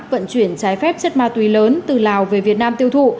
vận chuyển trái phép chất ma túy lớn từ lào về việt nam tiêu thụ